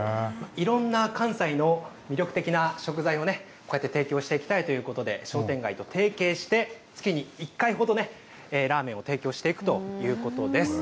いろんな関西の魅力的な食材を、こうやって提供していきたいということで、商店街と提携して、月に１回ほどね、ラーメンを提供していくということです。